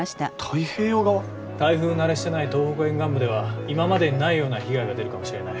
台風慣れしてない東北沿岸部では今までにないような被害が出るかもしれない。